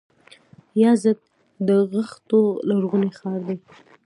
یزد د خښتو لرغونی ښار دی.